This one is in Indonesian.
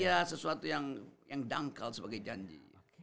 ya sesuatu yang dangkal sebagai janji